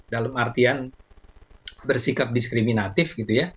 dalam artian bersikap diskriminatif